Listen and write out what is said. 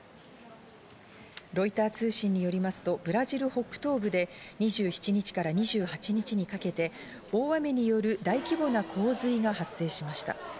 ロイター通信によりますと、ブラジル北東部で２７日から２８日にかけて、大雨による大規模な洪水が発生しました。